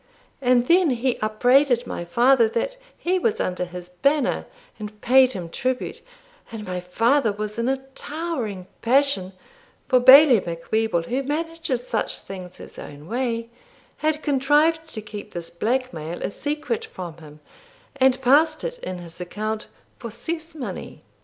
And then he upbraided my father that he was under his banner, and paid him tribute; and my father was in a towering passion, for Bailie Macwheeble, who manages such things his own way, had contrived to keep this black mail a secret from him, and passed it in his account for cess money.